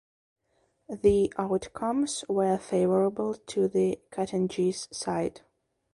The outcomes were favourable to the Katangese side.